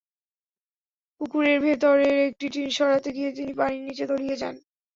পুকুরের ভেতরের একটি টিন সরাতে গিয়ে তিনি পানির নিচে তলিয়ে যান।